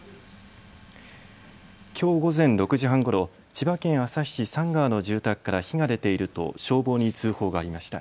きょう午前６時半ごろ、千葉県旭市三川の住宅から火が出ていると消防に通報がありました。